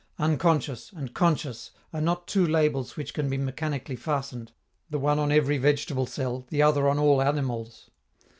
"Unconscious" and "conscious" are not two labels which can be mechanically fastened, the one on every vegetable cell, the other on all animals.